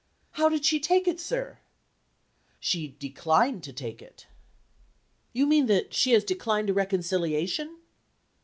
'How did she take it, sir?' 'She declined to take it.' 'You mean that she declined a reconciliation?